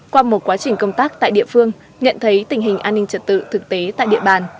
qua một quá trình công tác tại địa phương nhận thấy tình hình an ninh trật tự thực tế tại địa bàn